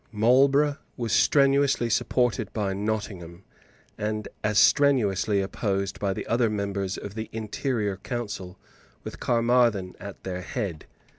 Marlborough was strenuously supported by Nottingham, and as strenuously opposed by the other members of the interior council with Caermarthen at their head.